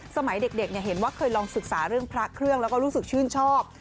สมัยเด็กเห็นว่าเคยลองศึกษาเรื่องพระเครื่องแล้วก็รู้สึกชื่นชอบ